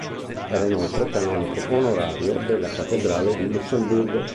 Era inoltre canonico onorario della cattedrale di Lussemburgo.